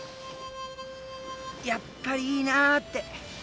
やっぱりいいなあって。